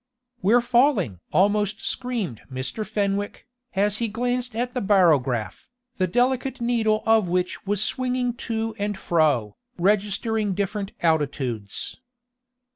"We're falling!" almost screamed Mr. Fenwick, as he glanced at the barograph, the delicate needle of which was swinging to and fro, registering different altitudes.